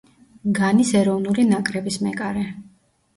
განის ეროვნული ნაკრების მეკარე.